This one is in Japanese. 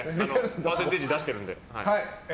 パーセンテージ出してるので。